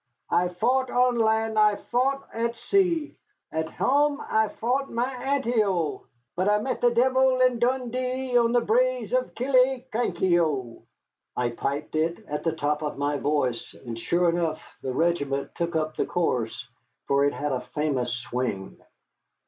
"I've faught on land, I've faught at sea, At hame I faught my aunty, O; But I met the deevil and Dundee On the braes o' Killiecrankie, O." I piped it at the top of my voice, and sure enough the regiment took up the chorus, for it had a famous swing.